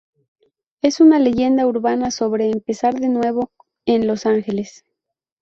Es una leyenda urbana sobre empezar de nuevo en Los Angeles.